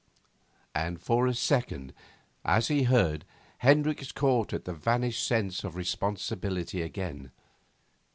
And for a second, as he heard, Hendricks caught at the vanished sense of responsibility again.